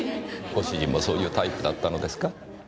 ご主人もそういうタイプだったのですか？